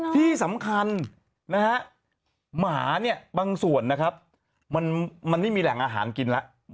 ที่สำคัญนะฮะหมาเนี่ยบางส่วนนะครับมันไม่มีแหล่งอาหารกินแล้ว